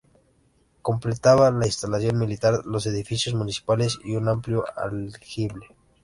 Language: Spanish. Completaba la instalación militar los edificios municipales y un amplio aljibe.